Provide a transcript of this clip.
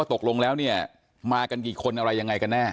ตกลงแล้วเนี่ยมากันกี่คนอะไรยังไงกันแน่